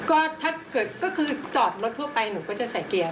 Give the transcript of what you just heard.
ก็ถ้าเกิดก็คือจอดรถทั่วไปหนูก็จะใส่เกียร์